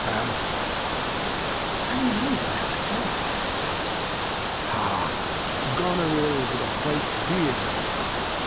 Glost. I know that Voice. Lear. Ha! Goneril with a white Beard!